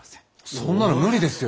そんなの無理ですよ。